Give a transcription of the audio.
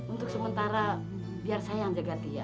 untuk sementara biar saya yang jaga dia